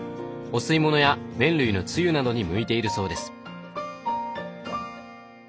お吸い物や麺類のつゆなどに向いているそうです。